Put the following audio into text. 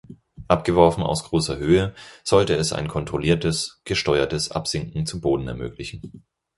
Abgeworfen aus großer Höhe, sollte es ein kontrolliertes, gesteuertes Absinken zum Boden ermöglichen.